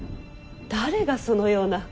誰がそのような。